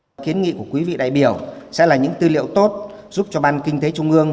các kiến nghị của quý vị đại biểu sẽ là những tư liệu tốt giúp cho ban kinh tế trung ương